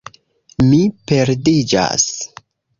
Mi perdiĝas.